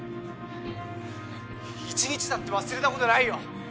「一日だって忘れた事ないよ」